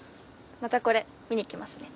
またこれ見に来ますね。